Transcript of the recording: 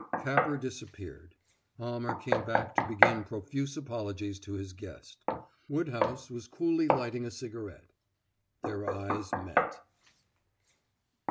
Capper disappeared. Almer came back to begin profuse apologies to his guest. Woodhouse was coolly lighting a cigarette. Their eyes met.